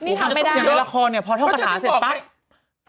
นี่ทำไม่ได้อย่างในละครเนี่ยพอท่องคาถาเสร็จปั๊บ